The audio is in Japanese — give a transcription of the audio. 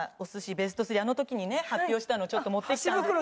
ベスト３あの時にね発表したのをちょっと持ってきたんですけど。